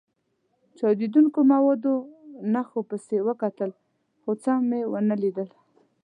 چاودېدونکو موادو نښو پسې وکتل، خو څه مې و نه لیدل.